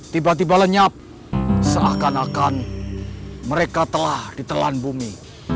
tiba tiba lenyap seakan akan mereka telah ditelan bumi